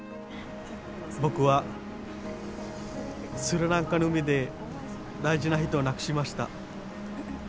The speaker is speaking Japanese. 僕はスリランカの海で大事な人を亡くしました。